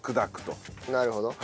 なるほど。